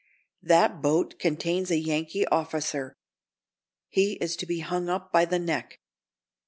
"That boat contains a Yankee officer. He is to be hung up by the neck.